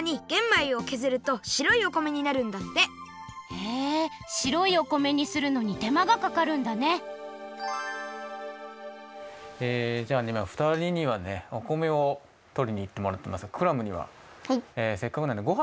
米をけずるとしろいお米になるんだってへえしろいお米にするのにてまがかかるんだねえじゃあねふたりにはねお米をとりにいってもらってますがクラムにはせっかくなんでごはんにあうね